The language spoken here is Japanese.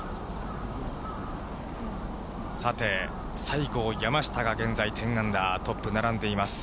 さて、西郷、山下が現在、１０アンダー、トップ並んでいます。